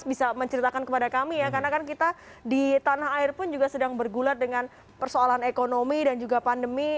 jadi mas bisa menceritakan kepada kami ya karena kan kita di tanah air pun juga sedang bergulat dengan persoalan ekonomi dan juga pandemi